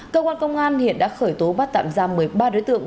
cơ quan công an hiện đã khởi tố bắt tạm giam một mươi ba đối tượng